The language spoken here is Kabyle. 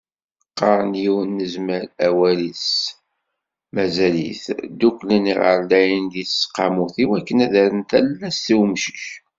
Qarren yiwen n zzman, awal s wazal-is, dduklen iɣerdayen di tseqqamut i wakken ad rren talast i umcic.